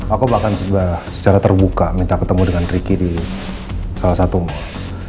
aku bahkan sudah secara terbuka minta ketemu dengan ricky di salah satu mal